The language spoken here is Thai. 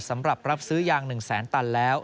สำหรับรับซื้อยาง๑แสนตันแล้ว